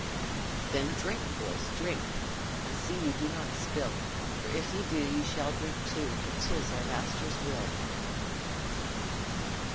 "Then drink, boys, drink! And see ye do not spill, For if ye do, ye shall drink two, For 'tis our master's will."